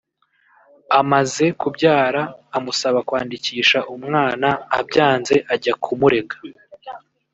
Amaze kubyara amusaba kwandikisha umwana abyanze ajya kumurega